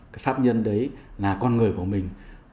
cái pháp nhân đấy là con người của mình